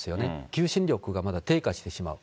求心力がまた低下してしまう。